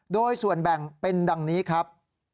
โดยส่วนแบ่งเป็นดังนี้ครับ